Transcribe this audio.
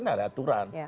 ini ada aturan